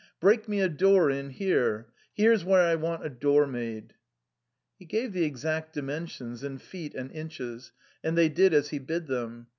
break me a door in here ! Here's where I want a door made !" He gave the exact dimensions in feet and inches, and they did as he bid them.